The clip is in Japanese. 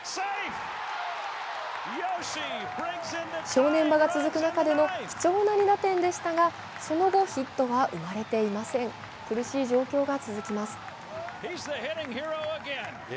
正念場が続く中での貴重な２打点でしたがその後、ヒットは生まれていません苦しい状況が続きます。